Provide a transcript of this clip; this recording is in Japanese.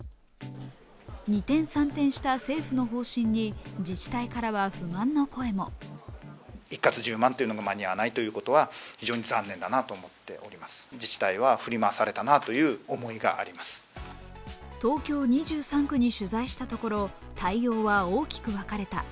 二転三転した政府の方針に自治体からは不満の声も東京２３区に取材したところ、対応は大きく分かれた。